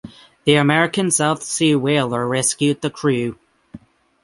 The American South Sea whaler rescued the crew.